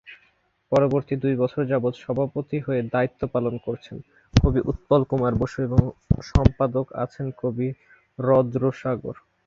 পরবর্তি দুই বছর যাবৎ সভাপতি হয়ে দায়িত্ব পালন করছেন, কবি উৎপল কুমার বসু এবং সম্পাদক আছেন, কবি রদ্রসাগর।